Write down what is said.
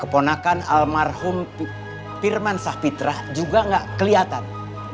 keponakan almarhum pirman sahpitra juga nggak kelihatan